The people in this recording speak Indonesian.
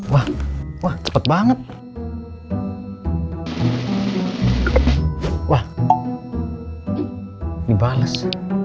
wah wah cepet banget wah dibalas